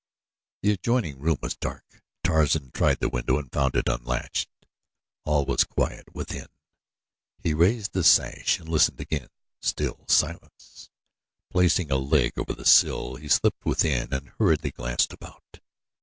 The adjoining room was dark. Tarzan tried the window and found it unlatched. All was quiet within. He raised the sash and listened again still silence. Placing a leg over the sill he slipped within and hurriedly glanced about.